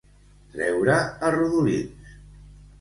Treure a rodolins.